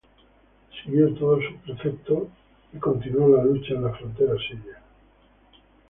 Siguió todos sus preceptos y continuó la lucha en la frontera siria.